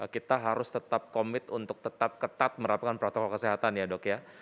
kita harus tetap komit untuk tetap ketat merapikan protokol kesehatan ya dok ya